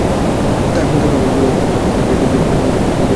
তাকে অচেতন অবস্থায় বাড়িতে দিয়ে যান বিদ্যালয়ের দপ্তরি কাম প্রহরী রাজু।